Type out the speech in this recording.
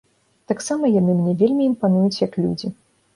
Таксама яны мне вельмі імпануюць як людзі.